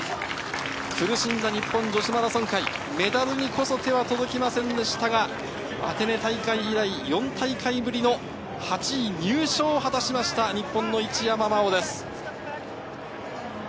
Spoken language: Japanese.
苦しんだ日本女子マラソン界メダルにこそ手は届きませんでしたがアテネ大会以来、４大会ぶりの８位入賞を果たしました日本の一山麻緒です。